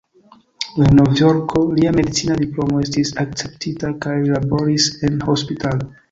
En Novjorko lia medicina diplomo estis akceptita kaj laboris en hospitalo.